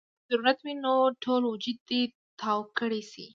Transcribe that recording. کۀ ضرورت وي نو ټول وجود دې تاو کړے شي -